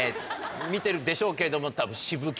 見てるでしょうけどもたぶん。